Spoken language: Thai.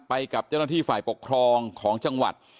ไปกับเจ้าหน้าที่ฝ่ายปกครองของจังหวัด